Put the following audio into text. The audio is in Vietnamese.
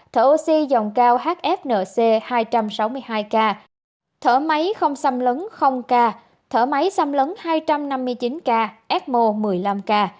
thở oxy dòng cao hfnc hai trăm sáu mươi hai ca thở máy không xăm lấn ca thở máy xăm lấn hai trăm năm mươi chín ca ecmo một mươi năm ca